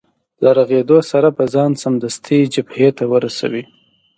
له رغېدو سره به ځان سمدستي جبهې ته ورسوې.